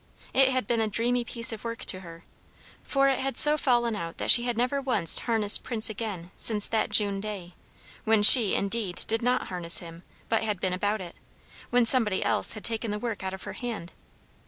It had been a dreamy piece of work to her; for it had so fallen out that she had never once harnessed Prince again since that June day, when she, indeed, did not harness him, but had been about it, when somebody else had taken the work out of her hand.